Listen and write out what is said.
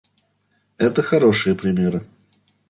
Это хорошие примеры.